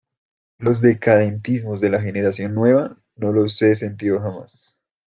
los decadentismos de la generación nueva no los he sentido jamás.